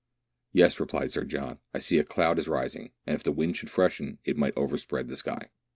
"Yes," replied Sir John, "I see a cloud is rising, and if the wind should freshen, it might overspread the sky."